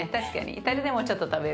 イタリアでもちょっと食べる。